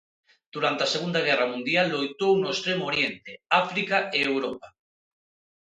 Durante a Segunda Guerra Mundial loitou no Extremo Oriente, África e Europa.